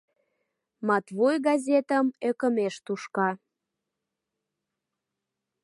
— Матвуй газетым ӧкымеш тушка.